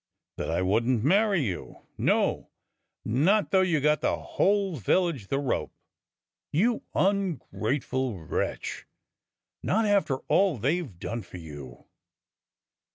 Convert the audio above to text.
"That I wouldn't marry you — no, not though you got the whole village the rope !" "You ungrateful wretch, not after all they've done for you?"